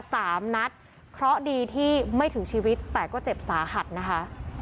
สามนัดเพราะดีที่ไม่ถึงชีวิตแต่ก็เจ็บสาหัสนะคะ